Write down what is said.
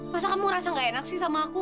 masa kamu ngerasa gak enak sih sama aku